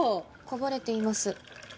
こぼれています。